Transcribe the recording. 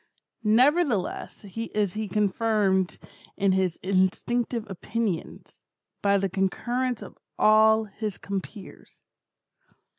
Nevertheless is he confirmed in his instinctive opinions, by the concurrence of all his compeers.